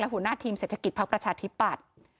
หัวหน้าทีมเศรษฐกิจภักดิ์ประชาธิปัตย์